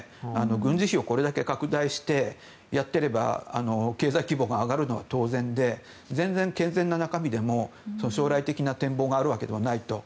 軍事費をこれだけ拡大してやっていれば経済規模が上がるのは当然で全然、健全な中身でも将来的な展望があるわけでもないと。